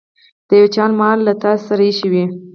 د يو چا مال له تاسې سره ايښی وي.